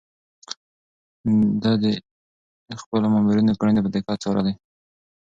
ده د خپلو مامورينو کړنې په دقت څارلې.